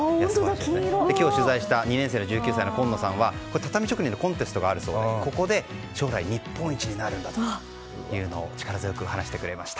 今日取材した２年生の１９歳の金野さんは畳職人のコンテストがあるそうでここで将来、日本一になるんだと力強く話してくれました。